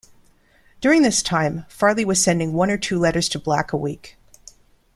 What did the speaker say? During this time, Farley was sending one or two letters to Black a week.